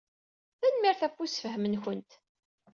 Tanemmirt ɣef ussefhem-nwent.